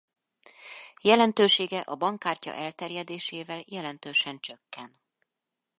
Jelentősége a bankkártya elterjedésével jelentősen csökken.